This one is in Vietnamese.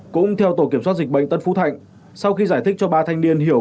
cũng theo tổ kiểm soát dịch bệnh tân phú thạnh sau khi giải thích cho ba thanh niên hiểu